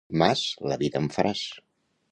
Mas, la vida em faràs.